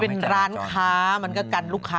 เป็นร้านค้ามันก็กันลูกค้า